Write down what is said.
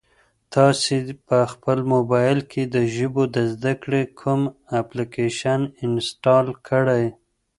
تاسي په خپل موبایل کي د ژبو د زده کړې کوم اپلیکیشن انسټال کړی؟